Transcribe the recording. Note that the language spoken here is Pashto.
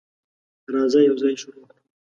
راځه، یوځای شروع کړو.